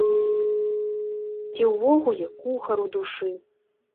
Ці ўвогуле кухар у душы?